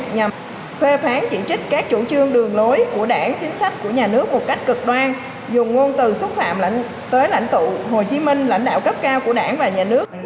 nhằm phê phán chỉ trích các chủ trương đường lối của đảng chính sách của nhà nước một cách cực đoan dùng ngôn từ xúc phạm lãnh tới lãnh tụ hồ chí minh lãnh đạo cấp cao của đảng và nhà nước